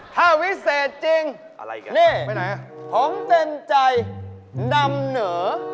ถ้าวิเศษจริงนี่ผมเต็มใจนำเหนอ